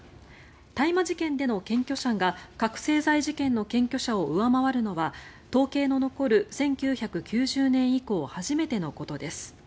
大麻事件での検挙者が覚醒剤事件の検挙者を上回るのは統計の残る１９９０年以降初めてのことです。